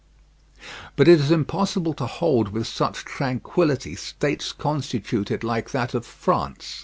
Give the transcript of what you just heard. But it is impossible to hold with such tranquillity states constituted like that of France.